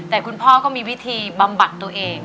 แต่คุณพ่อก็มีวิธีบำบัดตัวเอง